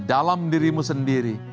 di dalam dirimu sendiri